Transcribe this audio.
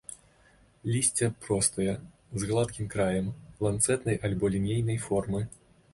Лісце простае, з гладкім краем, ланцэтнай альбо лінейнай формы.